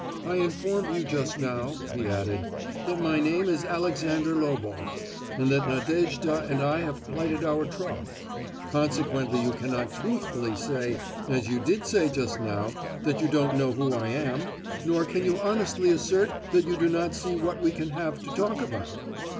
"I informed you just now," he added, "that my name is Alexander Loboff, and that Nadejda and I have plighted our troth; consequently you cannot truthfully say, as you did say just now, that you don't know who I am, nor can you honestly assert that you do not see what we can have to talk about.